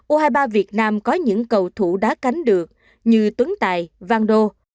u hai mươi ba việt nam có những cầu thủ đá cánh được như tuấn tài vang do